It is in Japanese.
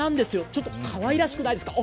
ちょっとかわいらしくないですか？